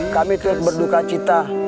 kami tuyat berduka cita